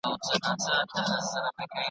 خو خدای دي وکړي چي .